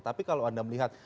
tapi kalau anda melihat